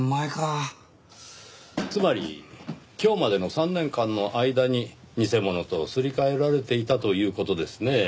つまり今日までの３年間の間に偽物とすり替えられていたという事ですねぇ。